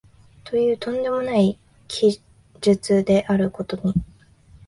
という飛んでもない奇術であることに、